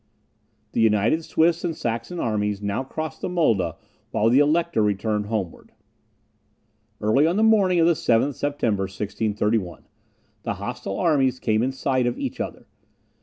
The united Swedish and Saxon armies now crossed the Mulda, while the Elector returned homeward. Early on the morning of the 7th September, 1631, the hostile armies came in sight of each other.